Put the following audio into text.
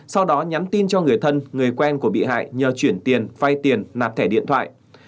sau đó nhắn tin cho người thân người quen của bị hại nhờ chuyển tiền vay tiền nạp thẻ điện thoại